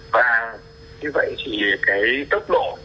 và như vậy thì tốc độ